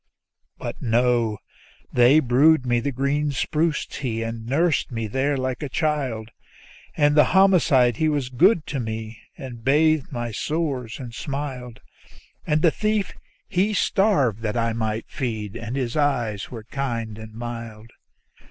But no; they brewed me the green spruce tea, and nursed me there like a child; And the homicide he was good to me, and bathed my sores and smiled; And the thief he starved that I might be fed, and his eyes were kind and mild.